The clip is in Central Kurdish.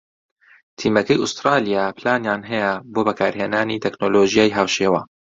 تیمەکەی ئوسترالیا پلانیان هەیە بۆ بەکارهێنانی تەکنۆلۆژیای هاوشێوە